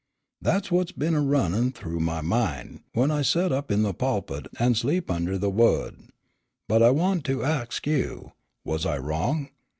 That's what been a runnin' thoo my min', w'en I set up in the pulpit an' sleep under the Wo'd; but I want to ax you, was I wrong?